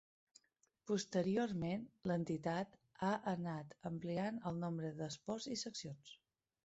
Posteriorment, l'entitat ha anat ampliant el nombre d'esports i seccions.